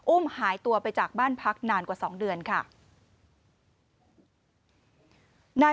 หายตัวไปจากบ้านพักนานกว่า๒เดือนค่ะ